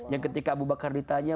yang ketika abu bakar ditanya